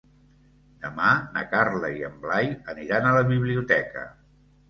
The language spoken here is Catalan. Demà na Carla i en Blai aniran a la biblioteca.